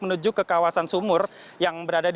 menuju ke kawasan sumur yang berada di